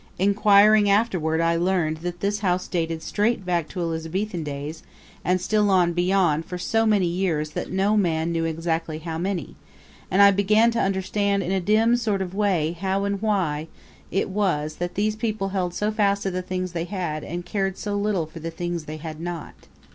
Inquiring afterward I learned that this house dated straight back to Elizabethan days and still on beyond for so many years that no man knew exactly how many; and I began to understand in a dim sort of way how and why it was these people held so fast to the things they had and cared so little for the things they had not.